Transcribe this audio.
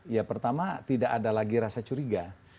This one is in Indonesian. ya pertama tidak ada lagi rasa curiga